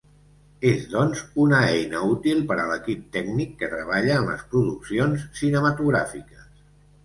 És, doncs, una eina útil per a l'equip tècnic que treballa en les produccions cinematogràfiques.